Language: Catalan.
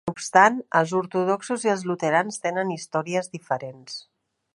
No obstant, els ortodoxos i els luterans tenen històries diferents.